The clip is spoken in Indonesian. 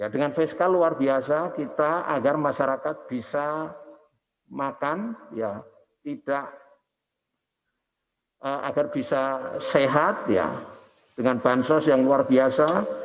dengan fiskal luar biasa kita agar masyarakat bisa makan agar bisa sehat dengan bansos yang luar biasa